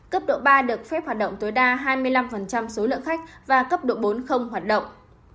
cấp độ ba được phép hoạt động tối đa hai mươi năm số lượng khách và cấp độ bốn hoạt động